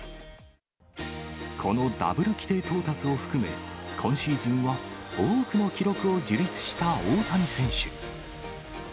このダブル規定到達を含め、今シーズンは多くの記録を樹立した大谷選手。